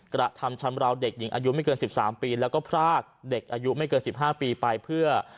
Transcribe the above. กระทำชำราวเด็กอายุไม่เกินสิบสามปีแล้วก็พรากเด็กอายุไม่เกินสิบห้าปีไปเพื่อ